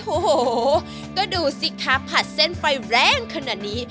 โอ้โหก็ดูสิคะผัดเส้นไฟแรงขนาดนี้